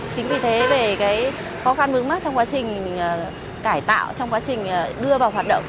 chính vì thế khó khăn bướng mắt trong quá trình cải tạo trong quá trình đưa vào hoạt động